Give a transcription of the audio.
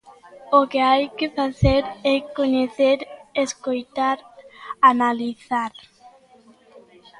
O que hai que facer é coñecer, escoitar, analizar.